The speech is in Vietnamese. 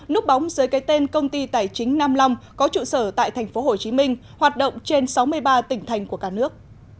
núp bóng dưới cái tên công ty tài chính nam long có trụ sở tại tp hcm hoạt động trên sáu mươi ba tỉnh thành của cả nước